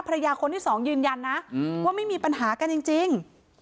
ภรรยาคนที่สองยืนยันนะว่าไม่มีปัญหากันจริง